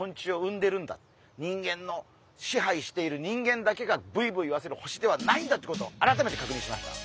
人間の支配している人間だけがブイブイ言わせる星ではないんだってことを改めて確認しました。